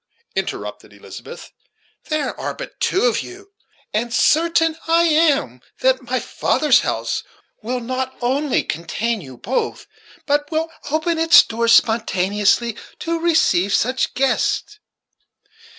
interrupted Elizabeth. "There are but two of you; and certain I am that my father's house will not only contain you both, but will open its doors spontaneously to receive such guests.